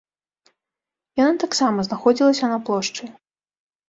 Яна таксама знаходзілася на плошчы.